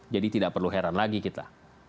jadi tidak perlu heran lagi kita